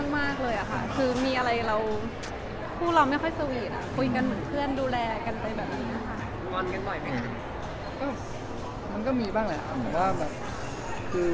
มีอะไรมันใจพูดมาก